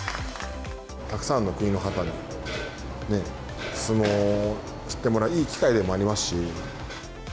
たくさんの国の方に相撲を知ってもらえるいい機会でもありますし。